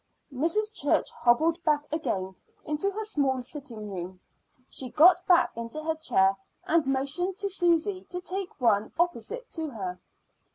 Mrs. Church hobbled back again into her small sitting room. She got back into her chair, and motioned to Susy to take one opposite to her.